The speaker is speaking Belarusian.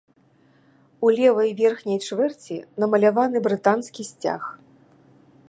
У левай верхняй чвэрці намаляваны брытанскі сцяг.